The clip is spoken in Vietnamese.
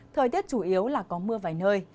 thời tiết chủ yếu là có mưa vài nơi